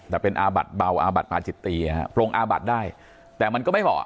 แต่เป็นอาบัดเบาอาบัดปาจิตตีพรงอาบัดได้แต่มันก็ไม่เหมาะ